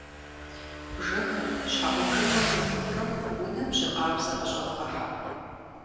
Бжэхэр, щхьэгъубжэхэр ӏуфхыурэ унэм жьы къабзэ къыщӀэвгъэхьэ.